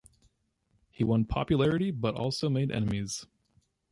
He won popularity but also made enemies.